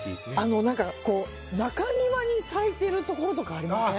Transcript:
中庭に咲いてるところとかありません？